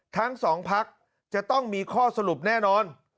ทั้งสองพักจะต้องมีข้อสรุปแน่นอน